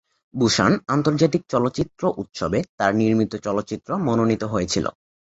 Busan আন্তর্জাতিক চলচ্চিত্র উৎসবে তার নির্মিত চলচ্চিত্র মনোনীত হয়েছিল।